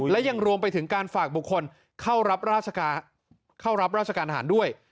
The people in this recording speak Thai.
และยังรวมไปถึงการฝากบุคคลเข้ารับราชการอาหารด้วย